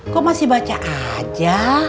kok masih baca aja